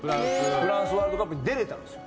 フランスワールドカップに出られたんですよ。